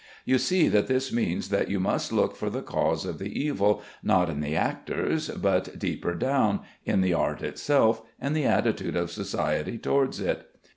You see that this means that you must look for the cause of the evil, not in the actors, but deeper down, in the art itself and the attitude of society towards it."